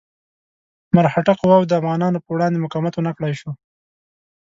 مرهټه قواوو د افغانانو په وړاندې مقاومت ونه کړای شو.